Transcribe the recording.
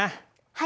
はい。